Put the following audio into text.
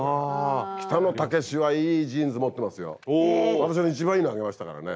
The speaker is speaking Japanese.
私の一番いいのあげましたからね。